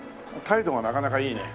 態度がなかなかいいね。